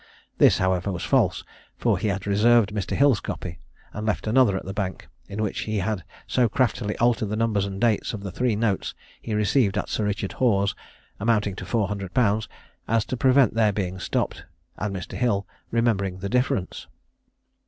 This, however, was false; for he had reserved Mr. Hill's copy, and left another at the bank, in which he had so craftily altered the numbers and dates of the three notes he received at Sir Richard Hoare's, amounting to four hundred pounds, as to prevent their being stopped and Mr. Hill remembering the difference.